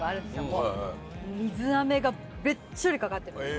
もう水あめがべっちょりかかってます。